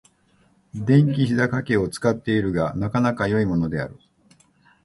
電気ひざかけを使っているが、なかなか良いものである。